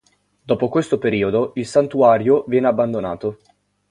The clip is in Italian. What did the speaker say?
Dopo questo periodo il santuario viene abbandonato.